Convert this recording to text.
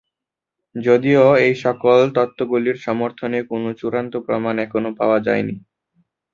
যদিও এইসকল তত্ত্বগুলির সমর্থনে কোন চূড়ান্ত প্রমাণ এখনও পাওয়া যায়নি।